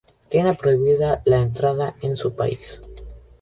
Tiene prohibida la entrada en su país.